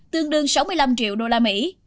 tương đương sáu mươi năm triệu đô la mỹ